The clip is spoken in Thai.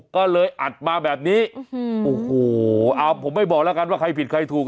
ก็เลยอัดมาแบบนี้โอ้โหเอาผมไม่บอกแล้วกันว่าใครผิดใครถูก